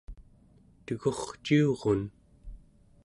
tegurciurun